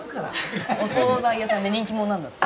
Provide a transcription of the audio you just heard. お総菜屋さんで人気者なんだって？